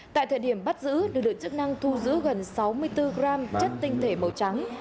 tại thời điểm bắt giữ được được chức năng thu giữ gần sáu mươi bốn gram chất tinh thể màu trắng